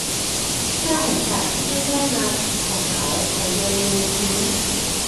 เสื้อขนสัตว์ที่เพิ่งได้มาของเขา เขาโยนมันลงพื้น